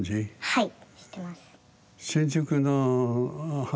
はい。